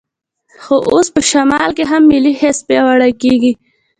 خو اوس په شمال کې هم ملي حس پیاوړی کېږي.